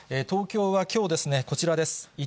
東京はきょう、こちらです。